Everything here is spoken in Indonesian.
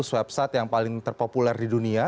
website yang paling terpopuler di dunia